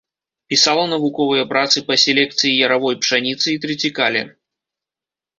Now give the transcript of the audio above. Пісала навуковыя працы па селекцыі яравой пшаніцы і трыцікале.